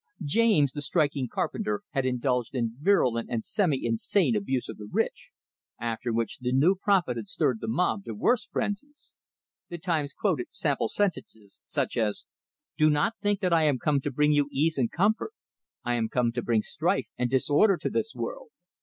James, the striking carpenter, had indulged in virulent and semi insane abuse of the rich; after which the new prophet had stirred the mob to worse frenzies. The "Times" quoted sample sentences, such as: "Do not think that I am come to bring you ease and comfort; I am come to bring strife and disorder to this world."